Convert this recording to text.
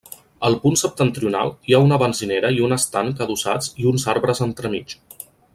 Al punt septentrional, hi ha una benzinera i un estanc adossats i uns arbres entremig.